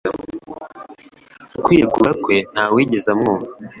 Mu kwiregura kwe ntawigeze amwumva